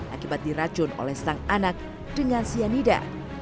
akibat diracun oleh sang anak dengan cyanida